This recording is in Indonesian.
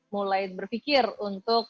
mulai berpikir untuk